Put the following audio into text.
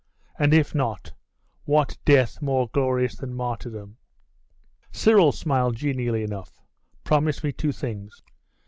'And if not: what death more glorious than martyrdom?' Cyril smiled genially enough. 'Promise me two things.